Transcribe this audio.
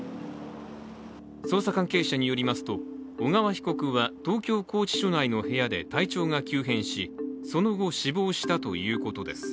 捜査関係者によりますと、小川被告は東京拘置所内の部屋で体調が急変し、その後、死亡したということです。